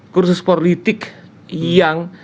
kursus politik yang